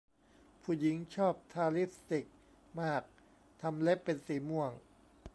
ผู้หญิงชอบทาลิปสติกมากทำเล็บเป็นสีม่วง